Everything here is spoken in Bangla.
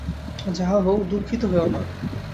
যাহা হউক, দুঃখিত হইও না।